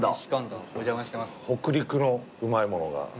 北陸のうまいものがある。